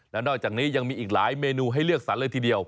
แล้วนอกจากนี้ยังมีอีกหลายเมนูให้เลือกสรรเลยทีเดียว